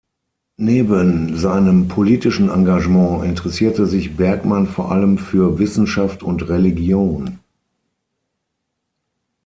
Neben seinem politischen Engagement interessierte sich Bergmann vor allem für Wissenschaft und Religion.